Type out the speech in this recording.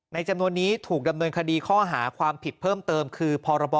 จำนวนนี้ถูกดำเนินคดีข้อหาความผิดเพิ่มเติมคือพรบ